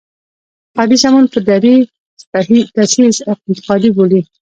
انتقادي سمون په دري تصحیح انتقادي بولي.